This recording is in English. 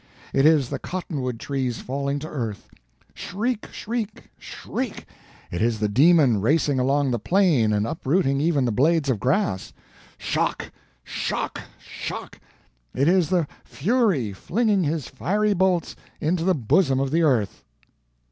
It is the cottonwood trees falling to earth. Shriek! Shriek! Shriek! It is the Demon racing along the plain and uprooting even the blades of grass. Shock! Shock! Shock! It is the Fury flinging his fiery bolts into the bosom of the earth.